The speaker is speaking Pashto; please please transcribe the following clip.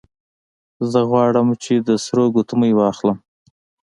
زه غواړم چې د سرو ګوتمۍ واخلم